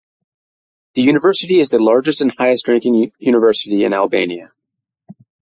The university is the largest and highest ranking university in Albania.